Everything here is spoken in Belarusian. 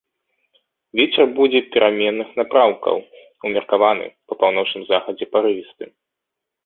Вецер будзе пераменных напрамкаў, умеркаваны, па паўночным захадзе парывісты.